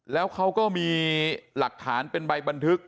แล้วเขาก็มีหลักฐานเป็นใบบันทึก